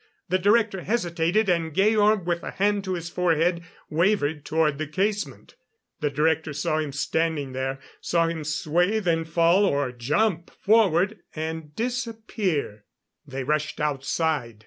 The Director hesitated, and Georg, with a hand to his forehead, wavered toward the casement. The Director saw him standing there; saw him sway, then fall or jump forward, and disappear. They rushed outside.